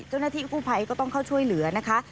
เจ้าหน้าที่กู้ภัยก็ต้องเข้าช่วยเหลือนะคะ